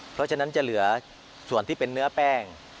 เพราะฉะนั้นจะเหลือส่วนที่เป็นเนื้อแป้ง